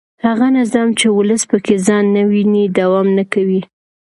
هغه نظام چې ولس پکې ځان نه ویني دوام نه کوي